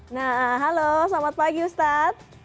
nah halo selamat pagi ustadz